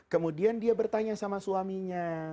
kemudian dia bertanya sama suaminya